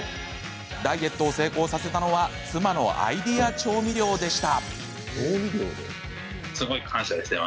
ダイエットを成功させたのは妻のアイデア調味料でした。